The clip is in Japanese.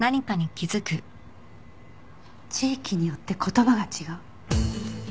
地域によって言葉が違う。